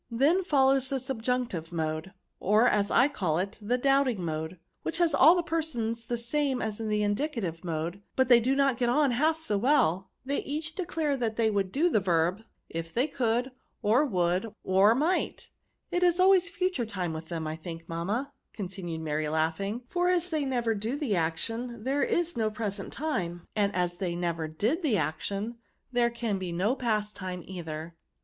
^* Then follows the subjunctive mode, or, as I call it, the doubting mode, which has all the persons the same as the indicative mode; but they do not get on half so well ; they each declare they would do the verb, if they could, or would, or might, — ^it is always future time with them, I think, mamma," con tinued Mary, laughing ;'' for as they never do the action, there is no present time ; and as they never did the action, there can be no past time either.